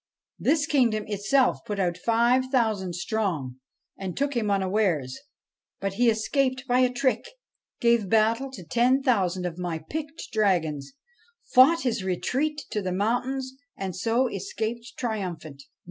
This kingdom itself put out five thousand strong, and took him unawares. But he escaped by a trick, gave battle to ten thousand of my picked dragons, fought his retreat to the mountains, and so escaped triumphant.